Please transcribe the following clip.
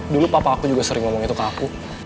dulu papa aku juga sering ngomong itu ke aku